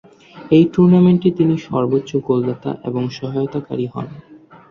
এই টুর্নামেন্টে তিনি সর্বোচ্চ গোলদাতা এবং সহায়তাকারী হন।